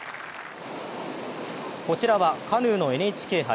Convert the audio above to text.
こちらはカヌーのＮＨＫ杯。